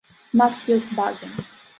У нас ёсць базы.